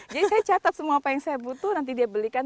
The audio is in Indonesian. jadi saya catat semua apa yang saya butuh nanti dia belikan